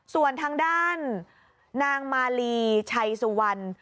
ส่วนทางด้านนางมาลีชัยสุวรรณ